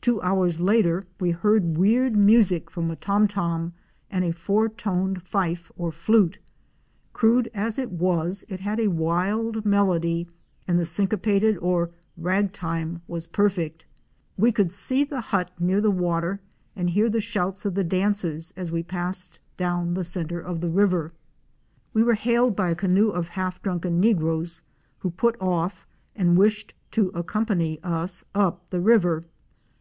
Two hours later we heard weird music from a tom tom and a four toned fife or flute. Crude as it was, it had a wild melody and the syncopated, or ''rag,"' time was perfect. We could see the hut near the water and hear the shouts of the dancers as we passed down the centre of the river. We were hailed by a canoe of half drunken negroes who put off and wished to accompany us up the river.